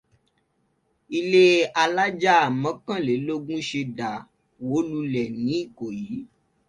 Ilé alájà mọ̀kànlélógún ṣe dà wó lulẹ̀ ní Ìkòyí.